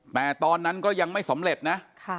แต่ตอนนั้นก็ยังไม่สำเร็จนะ